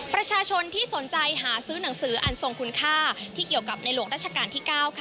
ประชาชนที่สนใจหาซื้อหนังสืออันทรงคุณค่าที่เกี่ยวกับในหลวงราชการที่๙ค่ะ